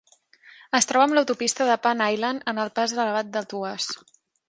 Es troba amb l'autopista de Pan Island en el pas elevat de Tuas.